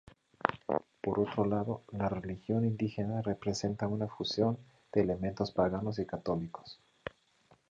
Por otro lado, la religión indígena representa una fusión de elementos paganos y católicos.